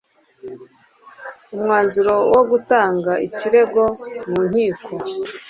umwanzuro wo gutanga ikirego mu nkiko